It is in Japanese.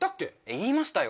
言いましたよ。